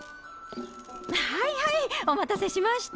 はいはいお待たせしました。